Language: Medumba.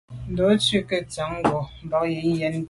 Ndo’ ntshui nke ntshan ngo’ bàn yi ke yen.